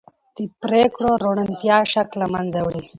د پرېکړو روڼتیا شک له منځه وړي